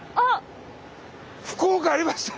福岡ありました！